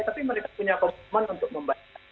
tapi mereka punya komponen untuk membaca